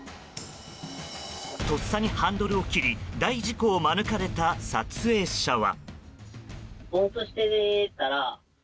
とっさにハンドルを切り大事故を免れた撮影者は。